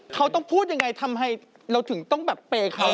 เขาต้องพูดยังไงทำไมเราถึงต้องแบบเปย์เขา